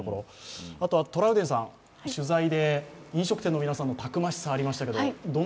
トラウデンさん、取材で飲食店の皆さんのたくましさがありましたけど。